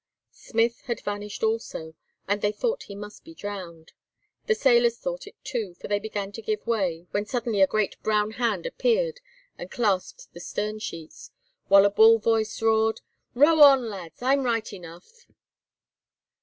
Smith had vanished also, and they thought he must be drowned. The sailors thought it too, for they began to give way, when suddenly a great brown hand appeared and clasped the stern sheets, while a bull voice roared: "Row on, lads, I'm right enough."